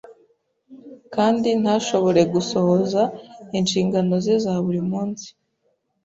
kandi ntashobore gusohoza inshingano ze za buri munsi.